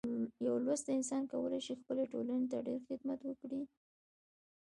یو لوستی انسان کولی شي خپلې ټولنې ته ډیر خدمت وکړي.